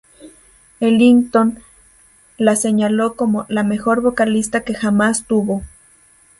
Ellington la señaló como "la mejor vocalista que jamás tuvo".